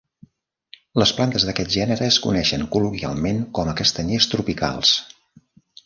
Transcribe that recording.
Les plantes d'aquest gènere es coneixen col·loquialment com a "castanyers tropicals".